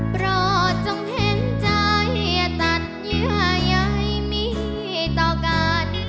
ปลอดจงเห็นใจตัดเหยื่อใหญ่มีต่อการ